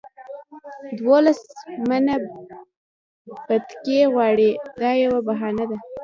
دولس منه بتکۍ غواړي دا یوه بهانه ده.